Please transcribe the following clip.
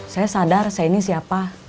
saya sadar saya ini siapa